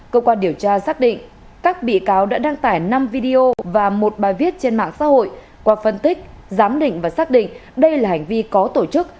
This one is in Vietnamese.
cơ quan điều tra xác định các bị cáo đã đăng tải năm video và một bài viết trên mạng xã hội qua phân tích giám định và xác định đây là hành vi có tổ chức